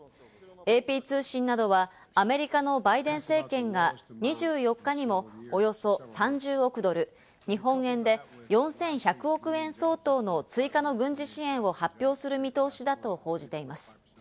ＡＰ通信などはアメリカのバイデン政権が２４日にもおよそ３０億ドル、日本円で４１００億円相当の追加の軍事支援を発表する見通しだと報じています。